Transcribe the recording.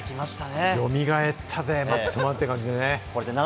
よみがえったぜ、マッチョマンっていう感じで。